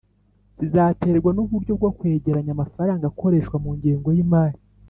zizaterwa n'uburyo bwo kwegeranya amafaranga akoreshwa mu ngengo y'imari.